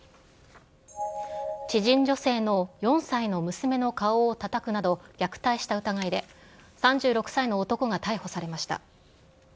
知人女性の４歳の娘の顔をたたくなど虐待した疑いで、３６歳の男が逮捕されました。